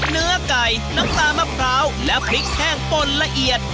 เนื้อไก่น้ำตาลมะพร้าวและพริกแห้งป่นละเอียด